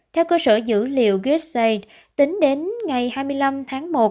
theo cơ sở dữ liệu gassage tính đến ngày hai mươi năm tháng một